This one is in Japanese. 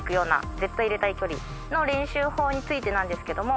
絶対入れたい距離の練習法についてなんですけども。